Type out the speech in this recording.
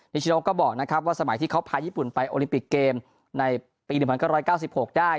ชโนก็บอกนะครับว่าสมัยที่เขาพาญี่ปุ่นไปโอลิมปิกเกมในปี๑๙๙๖ได้